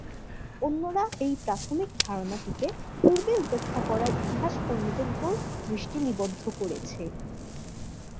অন্যরা এই প্রাথমিক ধারণাটিকে পূর্বে উপেক্ষা করা ইতিহাস-কর্মীদের উপর দৃষ্টি নিবদ্ধ করেছে।